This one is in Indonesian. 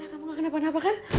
bela kamu gak kenapa kenapa kan